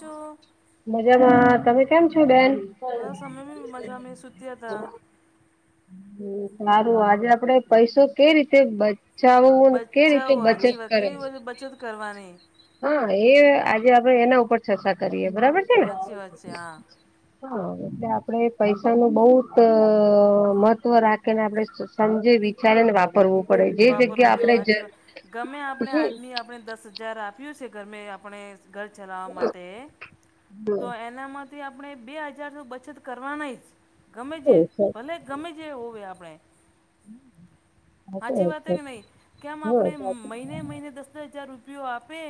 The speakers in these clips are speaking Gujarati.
જો મજામાં તમે કેમ છો બેન? બસ હમે [unintelligible] મજા મે સુત્યાતા. હ હારું આજે આપડે પૈસો કેઈ રીતે બ ચાવવો ને કેવી રીતે બચાવો બચત સાચી વાત કરે. કેવી બધી બચત કરવાની હા એ આજે આપડે એના ઉપર ચર્ચા કરીએ બરાબર. હાચી વાત છે હા. હ એટલે આપડે પૈસા નું બહુંત મહત્વ રાખ કે ને આપણે સ સમજી વિચારે ને વાપરવું પડે જે વાપરવું જગ્યા જો આપણે હાચી વાત ગમે આપણે આદમી આપણે દસ હજાર આપ્યું છે ધરમે આપણે ઘર ચલાવવા માટે તો એના મા થી આપણે બે હજારથી બચત કરવા ને જ ગમે તે ભલે ગમે તે હોય આપણે હાચી વાત કે નહી કેમ આપણે મય બે- મહિને દસ દસ હજાર રૂપિયો આપે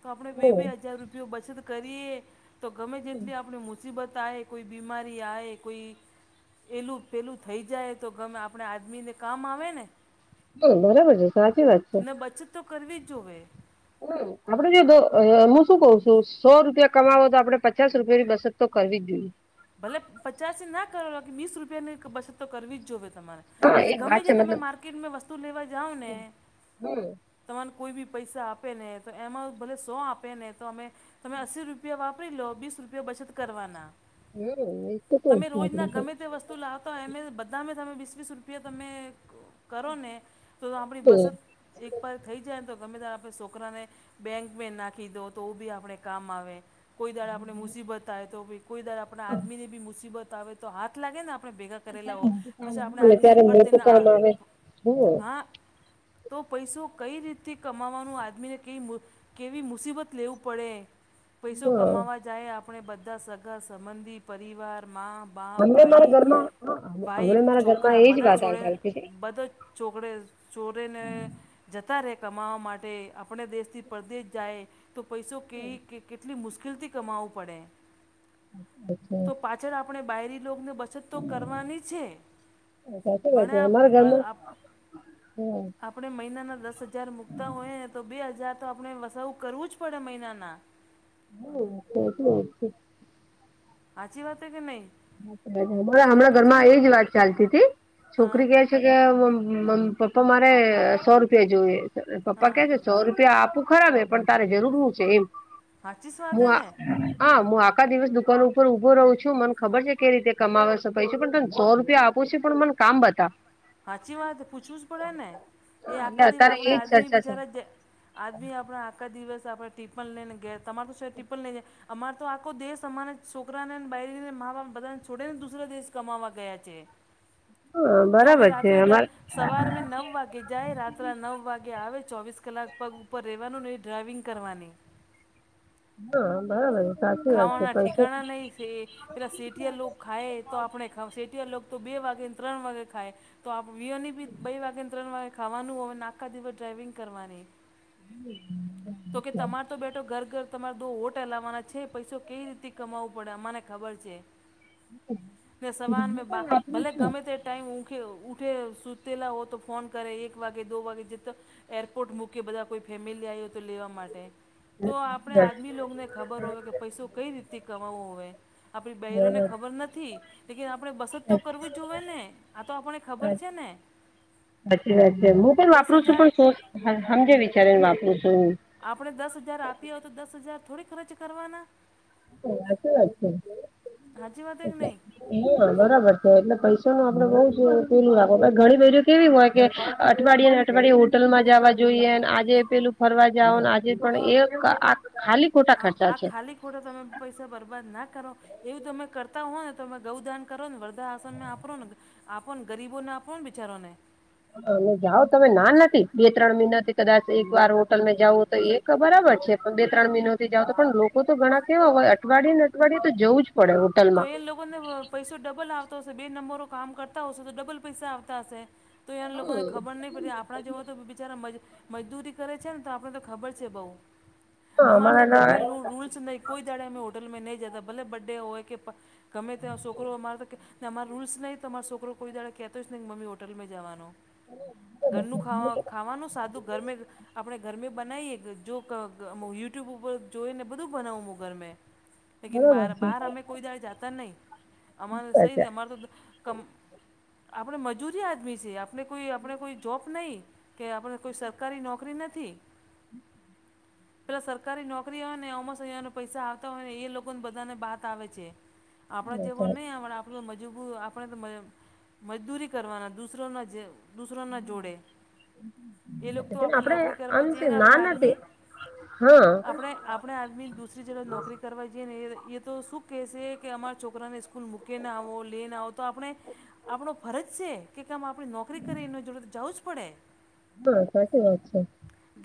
તો આપણે બે -બે હા હજાર રૂપિયો બચત કરીએ તો ગમે જેટલી આપણી મુસીબત આયે કોઈ બીમારી આયે કોઈ ખેલું પેલું થઈ જાય તો ગમે આપણે આદમીને કામ આવે ને તો બરાબર છે સાચી વાત છે. ને બચત તો કરવી જ જોવે. હું. આપડે જો દો હું શું કઉ છું સો રૂપિયા કમાવો તો આપણેે પચાસ રૂપિયાની બસત તો કરવી જોઇએ. ભલે પચાસે ના કરો બાકી વીસ રૂપિયાની બચત તો કરવી જ જોવે તમારે હા ભલે એક ગમે વાત છે જે તમે મતલબ માર્કેટમાં વસ્તુ લેવા જાવ ને હમ ત મને કોઈ બી પૈસા આપે ને તો એમાં ભલે સો આપે ને તો અમે તમે અસી રૂપિયા વાપરી લો બીસ રૂપિયા બચત કરવાના હું હમ તો તમે રોજના કેવું છે ગમેતે વસ્તુ લાવતા હો એમે બધા તમે વીસ વીસ રૂપિયા તમે કરો ને તો આપણી બસત એકવાર થઈ જાયને તો ગમે ત્યારે આપણે સોકરાને બેંક મે નાખીધો તો બી આપણે કામ આવે કોઈ દાડે આપણે મુસીબત આયે તો ભી કોઈ દારે આપણે આદમીની બી મુસીબત આવે તો હાથ લાગે ને આપણેે ભેગા કરેલા હોય પછી આપણે અને આદમીને ત્યારે ફટ દઈ મોટું ને આ કામ આવે હમ આ તો પૈસો કઈ રીતથી કમાવાનું આદમીને કેવી મુ કેવી મુસીબત લેવુ પડે. પૈસો હા કમાવા જાય આપણે બધા સગા સંબંધી પરિવાર માં બાપ હમને મારા ભાઈ ઘરમાં ભાઈ હમણા મારા ઘરમાં છોકરા એજ બધા વાત જોડે ચાલતી બધો જ ચોકડે ચોરેને જતા રહે કમાવા માટે આપણે દેશથી પરદેશ જાય તો પૈસો કે કે કેટલી મુશ્કેલથી કમાવું પડે. અ [unintelligible] ચા તો પાછળ આપણે બાયરી લોગને બશ બચત તો કરવાની છે સાચી વાત ભણે છે અમારા આપ ઘરમાં આપ હમ આપણે મહિનાના દસ હજાર મુકતા હોય તો બે હજાર તો આપણે વસવું કરવું જ પડે મહિનાના હવ હું તો [unintelligible] હાચી વાત હે કે નહી હમણાં હમણાં ઘર માં એજ વાત ચાલતી હતી હા છોકરી કે છે તે કે મ પપ્પા મારે સો રૂપિયા જોય પપ્પા હા કે સો રૂપિયા આપું ખરા મેં પણ તારે જરૂર હું છે એમ સાચી જ વાત હે હું ને હા મુ આખા દિવસ દુકાન ઉપર ઉભો રહું છું મન ખબર છે કેઈ રીતે કમાવે સો પૈસો છે પણ તમે સો રૂપિયા આપો છુ પણ મને કામ બતા હાચી વાત પૂછવું જ પડે ને એ આખા એટલે દીવા અત્યારે આપણે એજ આદમી ચર્ચા છે બિચારા આદમી આપણા આખા દિવસ આપણે ટીપન લઈ ને ઘેર તમાર તો શેઠ ટીપન લઈ જાય અમારે તો આખો દેશ અમારા છોકરાને ને બઈરીને મા બાપ બધાને છોડીને દુસરા દેશ કમાવા ગયા છે. હા તો અમે બરાબર છે રાત્રે દ અમારે સવાર મે નવ વાગે જાય રા ત્રે નવ વાગે આવે ચોવીસ કલાક પગ ઉપર રહેવાનું ને એવી ડ્રાઇવિંગ કરવાની. [unintelligible] છે ખાવાના પૈસો ઠિકાણા નહી સે. પેલાં શેઠિયા લોગ ખાય તો આપણે ખાવ શેઠિયા લોગ તો બે વાગેને ત્રણ વાગે ખાય. તો આપ વિયોની બી બે વાગે ને ત્રણ વાગે ખાવાનું હોય આખા દિવસ ડ્રાઈવિંગ કરવાની. તો કે તમાર તો બેટો ઘર ઘર તમાર દો હોઠ હલાવવાના છે. પૈસો કેવી રીતે કમાવવો પડે અમાને ખબર છે. ને સવાર મે બા ભલે ગમે તે ટાઈમ ઊંખે ઊઠે સુતેલા હો તો ફોન કરે એક વાગે દો વાગે જીત એરપોર્ટ મૂકે બધા કોઈ ફેમિલી આવી હો તો લેવા માટે. તો આપણે આદમી લોકને ખબર હોય કે પૈસો કઈ રીતે કમાવો હોવે આપડી બઈરોને ખબર નથી. લેકિન આપણે બસત તો કરવી જોવે ને આતો આપણને ખબર છે ને. સાચી વાત છે મુ પણ દસ વાપરું છું હજાર પણ શું હમ હમજી વિચારી ને વાપરું છું. આપણે દસ હજાર આપીએ હો તો દસ હજાર થોડી ખર્ચ કરવાના? હા હાચી વાત છે. હાચી વાત હે કે એટલે નહી. હા બરાબર છે એટલે પૈસાનો આપડે બઉ જ પેલું રાખો ને ઘણી બેઈરી કેવી હોય કે અઠવાડિયે ને અઠવાડિયે હોટલ માં જાવા જોઈએ આજે પેલું ફરવા જાઓ આજે પણ એક આ ખાલી ખોટા આ ખર્ચા આ છે. ખાલી ખોટો તમે પૈસા બરબાદ ના કરો એવું તમે કરતા હોવ ને તમે ગૌદાન કરો ને વર્ધા આસરમને આપરો ને આપોને ગરીબો ને આપોને બિચારોને. અને જાઓ તમે ના નથી બે ત્રણ મહિના થી કદાચ એક વાર હોટલમેં જાવઓ તો એક બરાબર છે પણ બે ત્રણ મહિનાથી જાવ તો પણ લોકો તો ઘણા કેવાય અઠવાડીયે ને અઠવાડીયે તો જવું જ પડે હો તો એ લોકોને વ પૈસો ડબલ આવતો હશે બે નંબરો કામ કરતા હશે તો ડબલ પૈસા આવતા હશે. તો એ લોકોને ખબર નહી પડતી આપણા જોવા તો બિચારા મજ મજદૂરી કરે છે ને તો આપણે તો ખબર છે બહુ હા અમારે તો અમારા ઘરમે લું રૂલ્સ નહીં કોઈ દાડે અમે હોટલમાં નહી જતા ભલે બર્થડે હોય કે પ ગમે ત્યાં છોકરો હો અમારતો કે અમારા રૂલ્સ નહીં ત અમારો કોઈ દાડ કહેતો જ નહીં કે મમી હોટલમાં જવાનો. ઘરનું ખાવા ખાવાનું સાદું ઘર મે આપણે ઘરમે બનાવીએ કે જો કક યુટ્યુબ ઉપર જોઈ ને બધું બનાવું મુ ઘર મેં. [inaudible] લેકીન બાર છે. બહાર અમે કોઈ દાડે જાતા નહીં અમારે સહી અચ્છા અમારે તો કમ આપણે મજૂરી આદમી છે આપણે કોઈ આપણે કોઈ જોબ નહીં. કે આપણે કોઈ સરકારી નોકરી નથી. [unintelligible] પેલા સરકારી નોકરી હોય ને અમસને પૈસા આવતા હોય ને એ લોકો ને બધાને બાત આવે છે આપણા જેવો નઈ આવડા આપ તો મજબૂર આપણે તો મ મજદૂરી કરવાના દૂસરોના જેમ. દુસરોના જોડે એ લોકતો પણ આપણે આપડે નોકરી આમ કરવા જઈએ છે ને ના આપણે નથી આદમી હા. આપણે આપણે આદમી દૂસરી જગહ નોકરી કરવા જઈએ ને એ એ તો શું કહેશે કે અમારા છોકરાને સ્કૂલ મૂકીને આવો લેને આવો આપણે આપણો ફરજ સે. કે કેમ આપણી નોકરી કરી એની જોડે તો જવું જ પડે હા સાચી વાત છે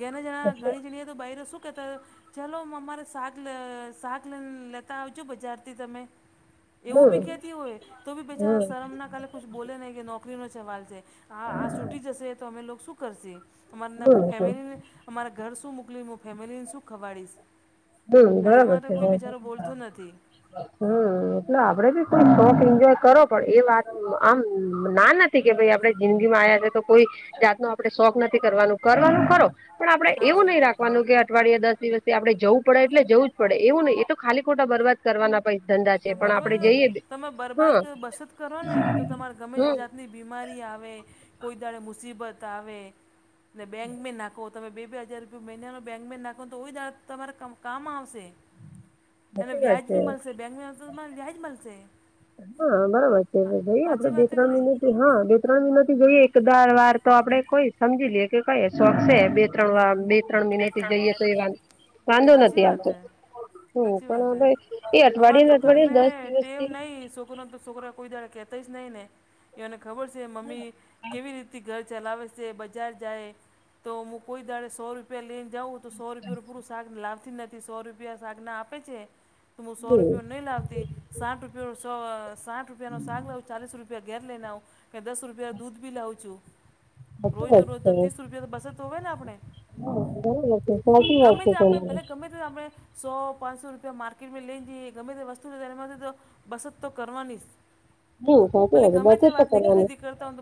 ઘેના જણા એટલે ઘણી જણી બૈરૂ શું કેતા ચાલો અમારે શાક શાક લેતા આવજ જો બજારથી તમે, એવું બી હમ કેતી હોય તો બી બેચારા શરમના કાલે કુછ બોલે નહીં કે નોકરીનો સવાલ છે હા આ છૂટી જશે તો અમે લોક શું કરશે? હમ અમારેના હમ ફેમિલીને અમારા ઘર શું મોકલી, હું ફેમિલીને શું ખવાડીશ. હમ એના માટે કોઈ બિચારો બોલતો નથી. હા. હમ્મ, એટલે આપડે બી થો શોખ એન્જોય કરો પણ એ વાત આમ ના ન થી કે ભાઈ આપડે જિંદગીમાં આવ્યા છે તો કોઈ જાત નો આપડે શોખ નથી કરવાનું, કરવાનું ખરો પણ આપડે એવું સાચી નઈ રાખવાનું કે અઠવાડયે દસ દિવસથી આપડે જવું જવું પડે એટલે જવું જ પડે એવું નહીં એ તો ખાલી ખોટા બરબદ કરવાના પૈસા તો બરોબર તમે બરબાર બસત કરો ને તો તમારે ગમે તે હમ જાતની બીમારી આવે કોઈ દાડે મુસીબત આવે, ને બેંકભી નાખો તમે બે બે હજાર રૂપિયા મહિનાનો બેંક મેન નાખો તો [unintelligible] તમારે કામ આવશે એને સાચી વાત વ્યાજ છે ભી મળશે, બેંકમાં હશે તો વ્યાજ મળશે. હા બરાબર છે હા ભાઈ આપડે સાચી બે વાત છે કે ત્રણ નહીં મિનિટ હા બે ત્રણ વિમાંથી જોઈએ એક દર વાર તો આપડે કોઈ સમજી લઈએ કે કઈ શોખ છે બે ત્રણ વાર બે ત્રણ મહિનાથી ત્રણ જઈએ મિનિટ તો એ વાંધો નથી આવતો. હું ઉપાડવા ગઈ એ અમારે અઠવાડિયે તો અઠવાડિયે ઘરમે દસ ટેવ દિવસથી નહીં છોકરોને તો છોકરા કોઈ દાડા કેતો જ નઈ ને, એને ખબર છે મમ્મી કેવી રીતે ઘર ચલાવે જે બજાર જાય તો હું કોઈ દાળે સો રૂપિયા લે જઉં તો સો રૂપિયાનું પૂરું શાક લાવતી નથી, સો રૂપિયા સાક ના આપે છે. તો હું સો રૂપિયો નહી લાવતી. સાઠ રૂપયો નું સાક, સાઠ રૂપિયા નો શાક લઉ ચાલીસ રૂપિયા ઘેર લઈને આવું. કે દસ રૂપિયા દૂધ બી લાવું છું. સાચી રોજનો વાત રોજ તો છે ત્રીસ રૂપિયા તો બસત તો હોય ને આપણે. હા, બરોબર છે સાચી વાત છે તમારી તો આપડે સો પાંચસો રૂપિયા માર્કેટમાં લઈને જઈએ ગમે તે વસ્તુ લેધ એમાંથી તો બસત તો કરવાની જ હમ સાચી ભલી વાત છે ગમે બચત તે તો વાતની કરવાની ખરીદી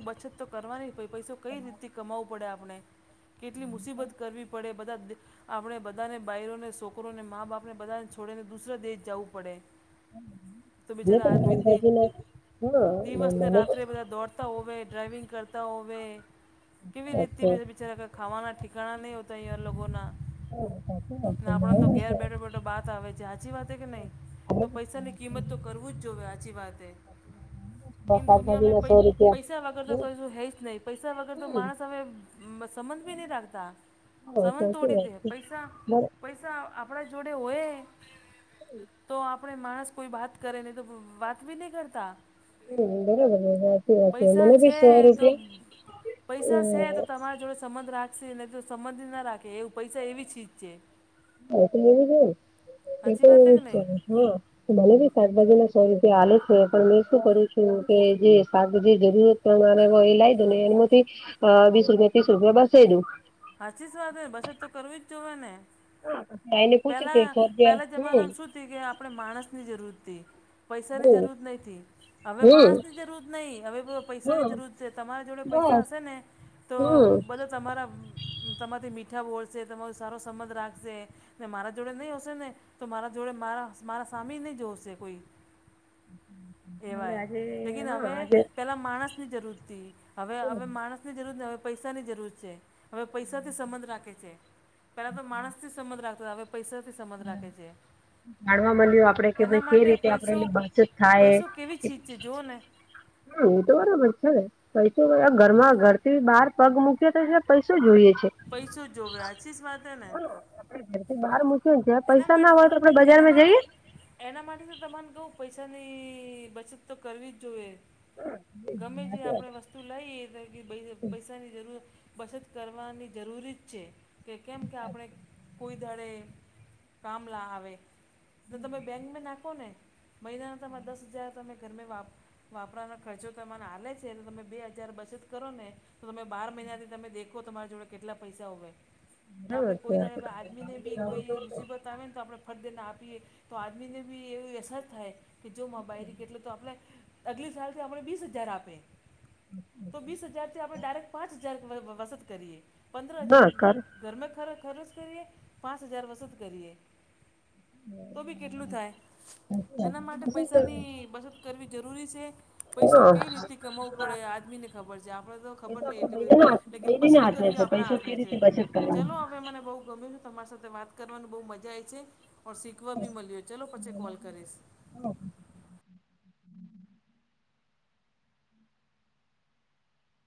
બચત તો કરવાણીજ, પૈસો કઈ રીતથી કમાવું પડે આપણે કેટલી મુસીબત કરવી તે બધા. આપણે બધાને બાયરોને, છોકરોને મા બાપને બધાને છોડીને દુસરા દેશ જવું પડે. તો મને બિચારા આદમી પણ દીન શાકભાજી ને હા મને દિવસને પણ રાત્રે બધા દોડતા હોવે, ડ્રાઈવિંગ કરતા હોવે, કેવી વાત છે. રીતે બિચારા ખાવાના ઠિકકાણા નહી તૈયાર લોગોના હા સાચી વાત છે ને આપણે બરાબર તો ઘેર છે બેઠો બેઠો બાત આવે છે, સાચી વાત કે નઈ? તો પૈસાની કિંમત તો કરવું જ જોઈએ, આચી વાત એ. એન શાકભાજી દુનિયામાં ના પૈ સો રૂપિયા પૈસા વગર તો હમ કઈશું હૈ જ નહીં પૈસા વગર તો માણસ હવે હમ્મ, સંબધ બી ની રાખતા હા સવન સાચી તોડી વાત દે, છે પૈસા બર પૈસા આપડા જોડે હોય. [inaudible] તો આપણે માણસ કોઈ વાત કરે ની તો વાત બી નહી કરતા. હમ્મ, બરોબર છે વાત. પૈસા મને બી છે સો તો રૂપિયા પૈસા સે તો તમારા જોડે સંબંધ રાખશે ન તો સંબંધ ના રાખે એવ પૈસા એવી ચીજ છે. [unintelligible] એતો સાચી વાત હે એવુજ કે છે નહીં હ. મને બી શાકભાજી ના સો રૂપિયા આલે છે પણ મેં શું કરું છું કે જે શાકભાજી જરૂરત તો મારા વ એ લાઇ દો ને એમથી અ વીસ રૂપિયા, ત્રીસ રૂપિયા બચાઈ દઉ. હાચી જ વાતને બચત તો કરવી જ જોવે ને. પછી આઈને પૂછું કે પહેલા સો રૂપિયા પહેલા જમાનામાં શું થી કે આપણે માણસની જરૂરથી. પૈસાની હમ જરૂએ નહી થી. હવે હમ માણસ ની જરૂર નહી હવે પૈસા ની હમ જરૂર છે તમારા જોડે પૈસા બસ હશે ને તો હમ બધા તમારા તમારથી મીઠા બોલશે તમારો સારો સંબંધ રાખશે ને મારા જોડે નહીં હશે ને તો મારા જોડે મારા મારા સામે નહીં જોશે કોઈ. [unintelligible] એવાય લેકિન હા હવે આજે પહેલાં માણસની જરૂર તી હવે હવે માણસ ની જરૂર ન હવે પૈસાની જરૂર છે. હવે પૈસાથી સંબંધ રાખે છે પેલા તો માણસ થી સંબંધ રાખતા હવે પૈસાથી સંબંધ રાખે છે. જાણવા મળ્યું આપડે કે એના ભાઈ કઈ માટે રીતે પૈસો આપડે બચત થાય પૈસો કેવી ચીજ છે જોવ ને હા એ તો બરાબર છે. પૈસો ઘરમાં ઘર થી બહાર પગ મૂકી તો એટલે પૈસો જોઈએ છે. પૈસો જ જોવે આછી જ વાત હે ને. ઘર થી બહાર મૂક્યું ને જ એના પૈસા ના માટે હોય તો આપડે એના બજારમાં માટે જઈએ. એના માટે તો તમાને કવું પૈસાની બચત તો કરવી જ જોઈએ. ગમે જે આપણે વસ તું લઈ કે પૈસાની જરૂ બચત કરવાની જરૂરી જ છે. કે કેમ કે આપણે કોઈ દાડે કામ લા આવે તો તમે બેંકમાં નાખો ને. મહિના તોમાં દસ હજાર તમે ઘરમાં વાપ વાપરાના ખર્ચો તોમન આલે છે તો તમે બે હજાર બચત કરો ને. તો તમે બાર મહિનાથી તમે દેખો તમારી જોડે કેટલા પૈસા હોવે. ના આપડે બરાબર છે. કોઈ દાડે પ આદમી ને બી કોઈ બતાવે ને તો આપણે ફરદે ના આપીએ તો આદમી ને બી એવી અસર થાય કે જો મા બાયરી કે એટલે તો આપલે અગલી સાલથી આપણે બીસ હજાર આપે. તો બીસ હજાર થી આપણે ડાયરેક્ટ પાંચ હજાર [unintelligible] વસત કરીએ. પંદ્ર હજાર હા કર ઘરમાં ખરચ કરીએ પાંચ હજાર વસત કરીએ. તો ભી કેટલું થાય એના માટે પૈસાની બચત કરવી જરૂરી છે. પૈસો હા કઈ રીતે કમાવું પડે આદમી ને ખબર છે આપડ તો ખબર નહ એટલી બધી બ લેકિન બસત કરવી આપણા હાથમે છે ચલો હવે મને બહુ ગમેલું તમારી સાથે વાત કરવાનું બહુ મજા આઈ છે શીખવા બી મલ્યું હો ચલો પછી કોલ કરીશ. [unintelligible]